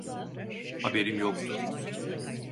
Haberim yoktu.